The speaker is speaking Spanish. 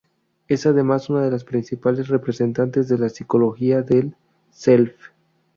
Es además una de las principales representantes de la Psicología del Self.